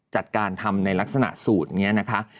จัดการทำในลักษณะสูตรนี้นะคะ